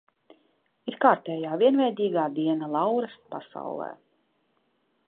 Ir kārtējā vienveidīgā diena Lauras pasaulē.